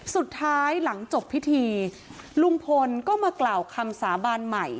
สุดท้ายหลังจบพิธีลุงพลก็มากล่าวคำสาบานใหม่